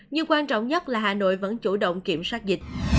nhưng quan trọng nhất là hà nội vẫn chủ động kiểm soát dịch